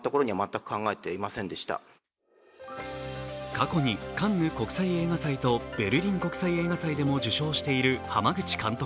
過去にカンヌ国際映画祭とベルリン国際映画祭でも受賞している濱口監督